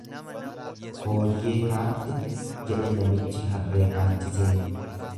Fooyyee kaatte, jedhe namichi harree kaachisee.